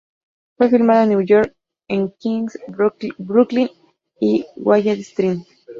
Fue filmada en Nueva York, en Queens, Brooklyn y Valley Stream.